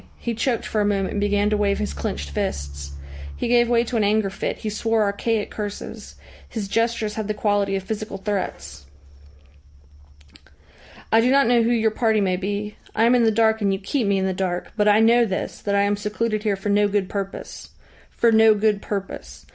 He choked for a moment and began to wave his clenched fists. He gave way to an anger fit, he swore archaic curses. His gestures had the quality of physical threats. "I do not know who your party may be. I am in the dark, and you keep me in the dark. But I know this, that I am secluded here for no good purpose. For no good purpose.